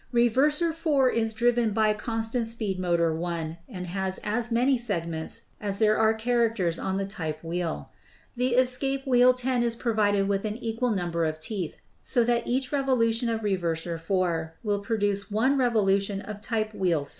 Re verser 4 is driven by constant speed motor 1 and has as many segments as there are characters on the type wheel. The escape wheel 10 is provided with an equal number of teeth, so that each revolution of reverser 4 will produce one revolution of type wheel 7.